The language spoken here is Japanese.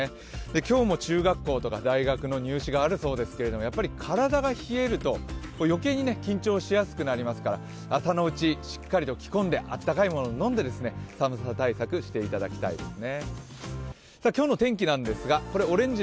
今日も中学校とか大学の入試があるそうですけれどもやっぱり体が冷えると余計に緊張しやすくなりますから朝のうち、しっかりと着込んであったかいものを飲んで寒さ対策していただきたいですね。